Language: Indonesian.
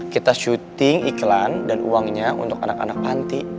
kita syuting iklan dan uangnya untuk anak anak panti